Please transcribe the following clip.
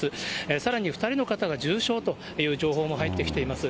さらに２人の方が重傷という情報も入ってきています。